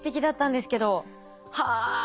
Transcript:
はあ。